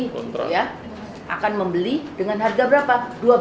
kontrol ya akan membeli dengan harga berapa dua belas seratus